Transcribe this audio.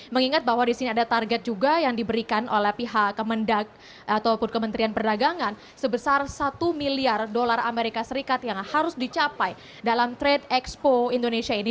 mengingat bahwa di sini ada target juga yang diberikan oleh pihak kemendak ataupun kementerian perdagangan sebesar satu miliar dolar amerika serikat yang harus dicapai dalam trade expo indonesia ini